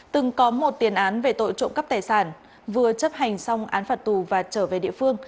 từng có một tiền án về tội trộm cắp tài sản vừa chấp hành xong án phạt tù và trở về địa phương